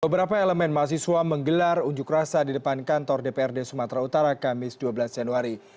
beberapa elemen mahasiswa menggelar unjuk rasa di depan kantor dprd sumatera utara kamis dua belas januari